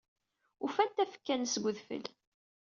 Ufan tafekka-nnes deg udfel.